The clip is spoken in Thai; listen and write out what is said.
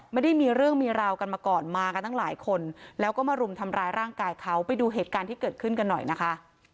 ไม่ได้มีเรื่องมีราวกันมาก่อนมากันตั้งหลายคนแล้วก็มารุมทำร้ายร่างกายเขาไปดูเหตุการณ์ที่เกิดขึ้นกันหน่อยนะคะ